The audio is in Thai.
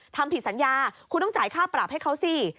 ทำผิดสัญญาคุณต้องจ่ายค่าปรับให้เขาสิ